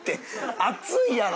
熱いやろ！